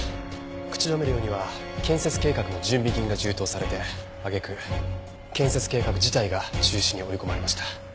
口止め料には建設計画の準備金が充当されて揚げ句建設計画自体が中止に追い込まれました。